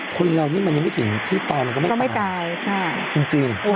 คนราวนี้มันยังไม่ถึงที่ตายมันก็ไม่ตายแล้วก็ไม่ตายค่ะจริงจริง